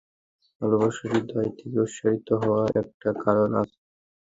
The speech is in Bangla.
ভালোবাসা হৃদয় থেকে উৎসারিত হওয়ার একটা কারণ আছে।